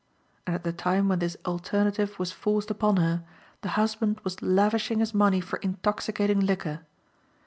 And at the time when this alternative was forced upon her, the husband was lavishing his money for intoxicating liquor.